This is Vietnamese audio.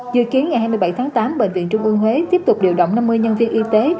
dự kiến ngày hai mươi bảy tháng tám bệnh viện trung ương huế tiếp tục điều động năm mươi nhân viên y tế